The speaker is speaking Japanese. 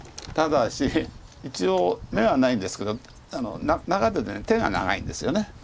ただし一応眼はないんですけど中で手が長いんですよね。